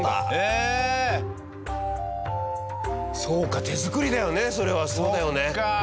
そうか手作りだよねそれは。そっか！